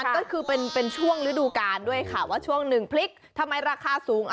ก็คือเป็นช่วงฤดูกาลด้วยค่ะว่าช่วงหนึ่งพริกทำไมราคาสูง